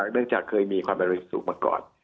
เนื่องจากเคยมีความรายละเอียดสูงมาก่อน